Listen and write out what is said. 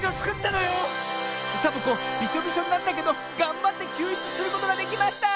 サボ子びしょびしょになったけどがんばってきゅうしゅつすることができました！